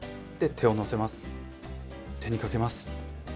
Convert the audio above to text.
手にかけます。